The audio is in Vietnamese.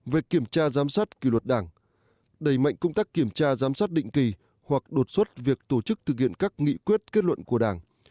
về kiểm tra giám sát kỳ luật đảng đẩy mạnh công tác kiểm tra giám sát định kỳ hoặc đột xuất việc tổ chức thực hiện các nghị quyết kết luận của đảng